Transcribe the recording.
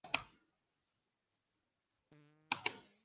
Su distribución incluye a Europa central y oeste.